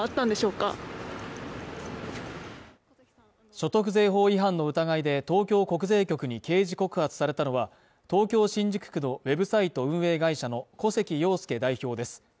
所得税法違反の疑いで東京国税局に刑事告発されたのは、東京新宿区のウェブサイト運営会社の古関陽介代表です。